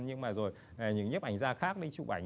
nhưng mà rồi những nhiếp ảnh gia khác đi chụp ảnh